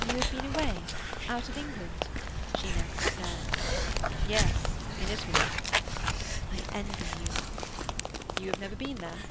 "You have been away—out of England?" she next said. "Yes; in Italy." "I envy you." "You have never been there?"